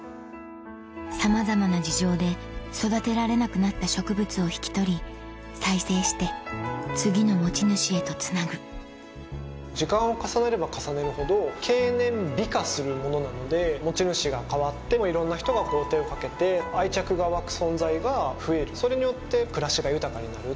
さまざまな事情で育てられなくなった植物を引き取り再生して次の持ち主へとつなぐ時間を重ねれば重ねるほど経年美化するものなので持ち主が変わってもいろんな人が手をかけて愛着が湧く存在が増えるそれによって暮らしが豊かになる。